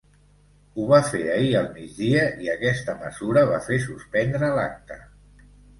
Ho va fer ahir al migdia, i aquesta mesura va fer suspendre l’acte.